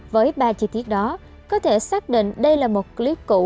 với ba chi tiết đó có thể xác định đây là một clip cũ